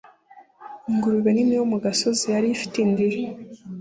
Ingurube nini yo mu gasozi yari ifite indiri